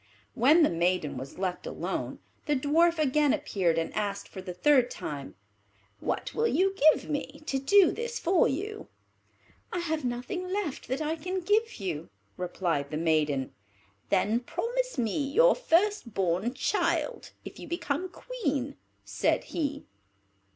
When the maiden was left alone, the Dwarf again appeared and asked, for the third time, "What will you give me to do this for you?" "I have nothing left that I can give you," replied the maiden. "Then promise me your first born child if you become Queen," said he.